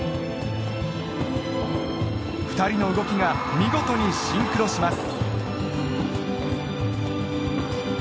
２人の動きが見事にシンクロします